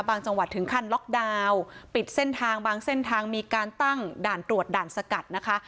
จังหวัดถึงขั้นล็อกดาวน์ปิดเส้นทางบางเส้นทางมีการตั้งด่านตรวจด่านสกัดนะคะ